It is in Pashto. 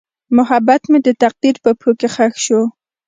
محبت مې د تقدیر په پښو کې ښخ شو.